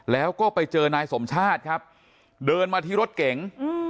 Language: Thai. แล้วก็ไปเจอนายสมชาติครับเดินมาที่รถเก๋ง